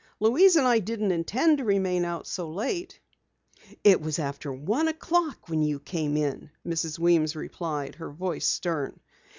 Louise and I didn't intend to remain out so late." "It was after one o'clock when you came in," Mrs. Weems replied, her voice stern.